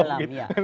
lebih dalam ya